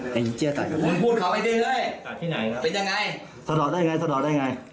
สะดอกที่ไหนเป็นยังไงสะดอกได้ยังไงสะดอกได้ยังไง